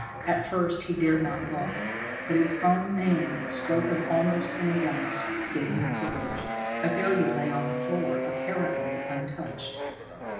At first, he dared not look, but his own name, spoken almost in a gasp, gave him courage. Athalia lay on the floor, apparently untouched.